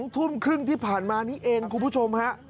ทุ่มครึ่งที่ผ่านมานี้เองคุณผู้ชมฮะ